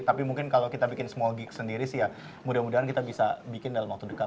tapi mungkin kalau kita bikin small gig sendiri sih ya mudah mudahan kita bisa bikin dalam waktu dekat